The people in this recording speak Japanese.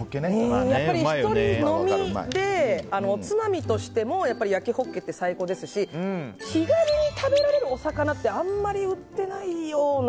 やっぱり１人飲みでおつまみとしても焼ほっけって人気ですし気軽に食べられるお魚ってあんまり売ってないような。